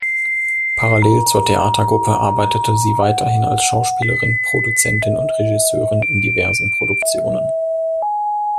Parallel zur Theatergruppe arbeitete sie weiterhin als Schauspielerin, Produzentin und Regisseurin in diversen Produktionen.